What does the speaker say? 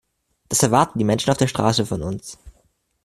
Das erwarten die Menschen auf der Straße von uns.